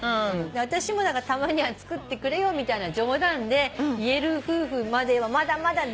私もたまには作ってくれよみたいな冗談で言える夫婦まではまだまだ長いなって。